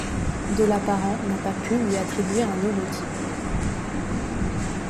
De Lapparent n'a pas pu lui attribuer un holotype.